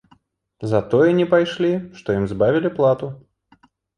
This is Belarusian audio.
За тое не пайшлі, што ім збавілі плату.